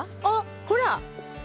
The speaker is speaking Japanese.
あっほら！